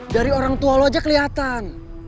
dari orang tua lo aja kelihatan